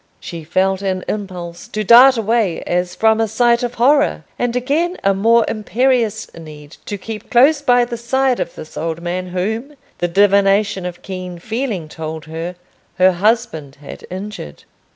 She felt an impulse to dart away as from a sight of horror; and again, a more imperious need to keep close by the side of this old man whom, the divination of keen feeling told her, her husband had injured.